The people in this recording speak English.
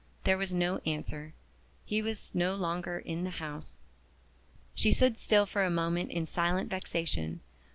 There was no answer. He was no longer in the house. She stood still for a moment in silent vexation.